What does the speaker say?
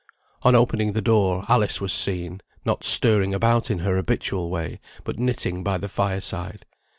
On opening the door, Alice was seen, not stirring about in her habitual way, but knitting by the fire side.